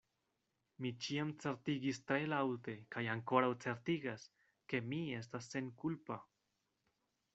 Mi ĉiam certigis tre laŭte kaj ankoraŭ certigas, ke mi estas senkulpa.